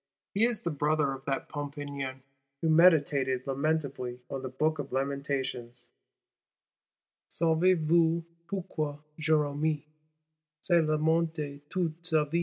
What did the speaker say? He is the Brother of that Pompignan who meditated lamentably on the Book of Lamentations: Saves voux pourquoi Jérémie Se lamentait toute sa vie?